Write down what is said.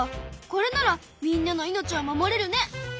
これならみんなの命を守れるね。